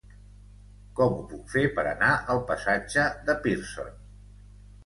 Com ho puc fer per anar al passatge de Pearson?